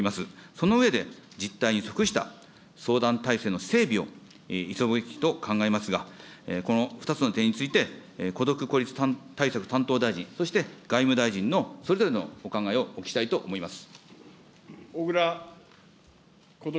その上で、実態に即した相談体制の整備を急ぐべきと考えますが、この２つの点について、孤独・孤立対策担当大臣、そして外務大臣の、それぞれのお考えをお聞きしたいと思います。